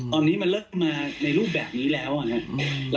ตอนนี้มันเลิกมาในรูปแบบนี้แล้วนะครับ